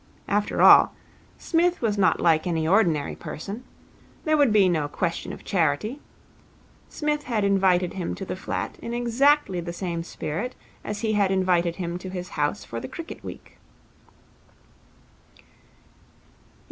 After all, Psmith was not like any ordinary person. There would be no question of charity. Psmith had invited him to the flat in exactly the same spirit as he had invited him to his house for the cricket week.